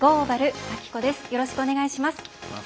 よろしくお願いします。